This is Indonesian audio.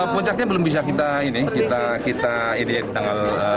puncaknya belum bisa kita ini kita ini tanggal